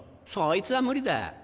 そいつぁ無理だ。